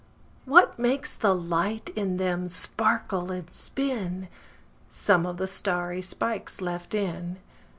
What makes the light in them sparkle and spin? Some of the starry spikes left in.